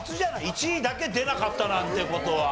１位だけ出なかったなんて事は。